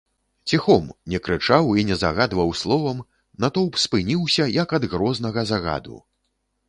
Ціхом, не крычаў і не загадваў словам, натоўп спыніўся, як ад грознага загаду.